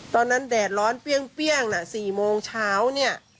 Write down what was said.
แดดร้อนเปรี้ยงน่ะ๔โมงเช้าเนี่ย